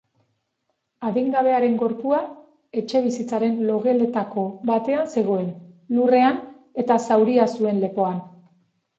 Adingabearen gorpua etxebizitzaren logeletako batean zegoen, lurrean, eta zauria zuen lepoan.